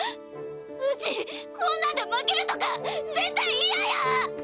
うちこんなんで負けるとか絶対いやや！